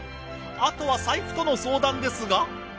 あとは財布との相談ですが。